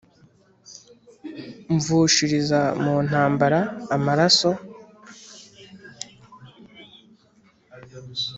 mvushiriza mu ntambara amaraso